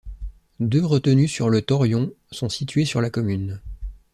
Deux retenues sur le Taurion sont situées sur la commune.